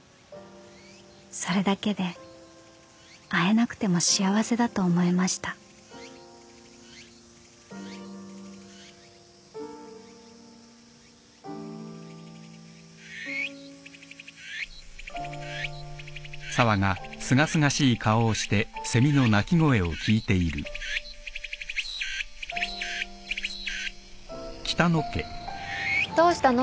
［それだけで会えなくても幸せだと思いました］・・・どうしたの？